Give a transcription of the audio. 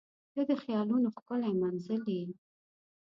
• ته د خیالونو ښکلی منزل یې.